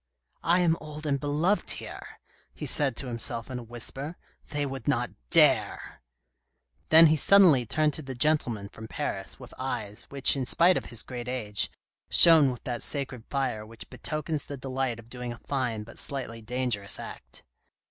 " I am old and beloved here," he said to himself in a whisper, " they would not dare !" Then he suddenly turned to the gentleman from Paris, with eyes, which in spite of his great age, shone with that sacred fire which betokens the delight of doing a fine but slightly dangerous act.